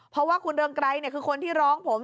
เพราะว่าคุณเรืองไกรคือคนที่ร้องผม